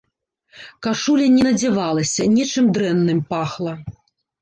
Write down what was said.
Кашуля не надзявалася, нечым дрэнным пахла.